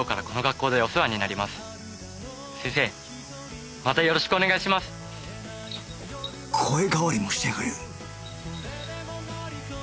声変わりもしてやがる！